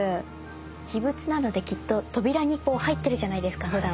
秘仏なのできっと扉に入ってるじゃないですかふだんは。